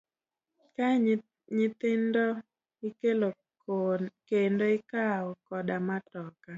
Kae nyithindo ikelo kendo ikawo koda matoka.